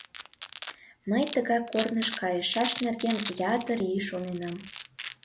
Мый тыгай корныш кайышаш нерген ятыр ий шоненам!